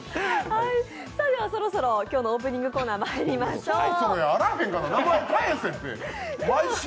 そろそろ今日のオープニングコーナーにまいりましょう。